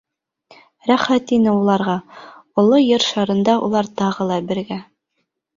Рәхәт ине уларға, оло Ер шарында улар тағы ла бергә.